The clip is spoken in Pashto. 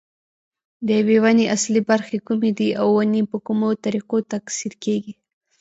د یوې ونې اصلي برخې کومې دي او ونې په کومو طریقو تکثیر کېږي.